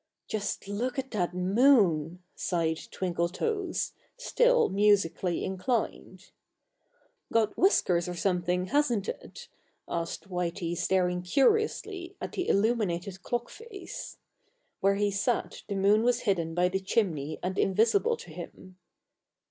"Just look at that moon!" sighed Twinkletoes, still musically inclined. "Got whiskers or something, hasn't it?" asked Whitey staring curiously at the illuminated clock face. Where he sat the moon was hidden by the chimney and invisible to him.